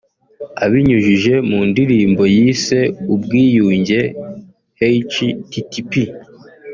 Abinyujije mu ndirimbo yise ‘Ubwiyunge’ (http